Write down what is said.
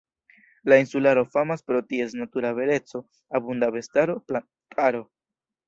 La insularo famas pro ties natura beleco, abunda bestaro, plantaro.